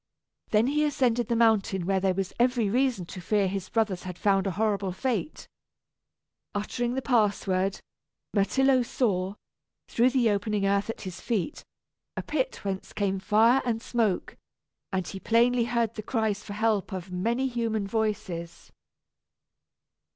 Then he ascended the mountain where there was every reason to fear his brothers had found a horrible fate. Uttering the password, Myrtillo saw, through the opening earth at his feet, a pit whence came fire and smoke; and he plainly heard the cries for help of many human voices.